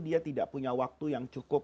dia tidak punya waktu yang cukup